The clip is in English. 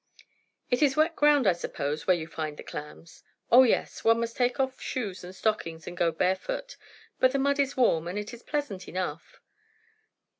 "It is wet ground I suppose, where you find the clams?" "O yes. One must take off shoes and stockings and go barefoot. But the mud is warm, and it is pleasant enough."